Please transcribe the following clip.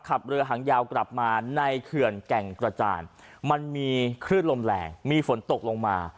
ขับเรือหางยาวกลับมาในเขื่อนแก่งกระจานมันมีคลื่นลมแรงมีฝนตกลงมา